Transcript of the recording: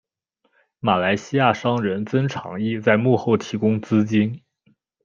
马来西亚商人曾长义在幕后提供资金。